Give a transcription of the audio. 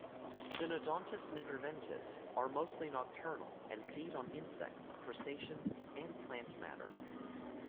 "Synodontis nigriventris" are mostly nocturnal, and feed on insects, crustaceans, and plant matter.